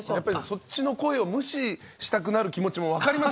そっちの声を無視したくなる気持ちも分かります。